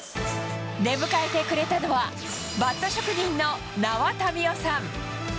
出迎えてくれたのは、バット職人の名和民夫さん。